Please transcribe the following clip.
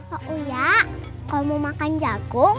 pak uya kau mau makan jagung